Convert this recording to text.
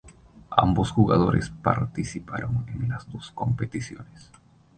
Ambos jugadores participaron en las dos competiciones.